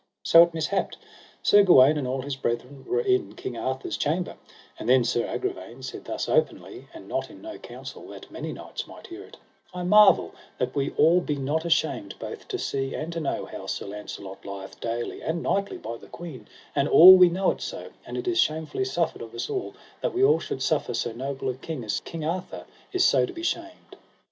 So it mishapped, Sir Gawaine and all his brethren were in King Arthur's chamber; and then Sir Agravaine said thus openly, and not in no counsel, that many knights might hear it: I marvel that we all be not ashamed both to see and to know how Sir Launcelot lieth daily and nightly by the queen, and all we know it so; and it is shamefully suffered of us all, that we all should suffer so noble a king as King Arthur is so to be shamed.